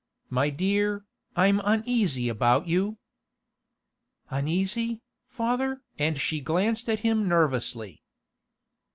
My dear, I'm uneasy about you.' 'Uneasy, father?' and she glanced at him nervously.